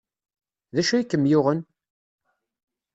D acu ay kem-yuɣen?